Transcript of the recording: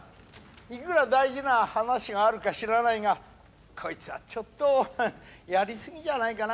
いくら大事な話があるか知らないがこいつはちょっとやり過ぎじゃないかな。